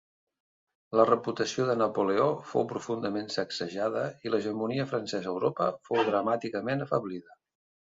La reputació de Napoleó fou profundament sacsejada i l'hegemonia francesa a Europa fou dramàticament afeblida.